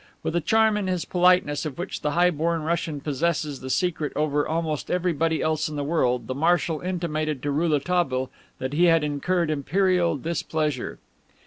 With a charm in his politeness of which the high born Russian possesses the secret over almost everybody else in the world, the Marshal intimated to Rouletabille that he had incurred imperial displeasure.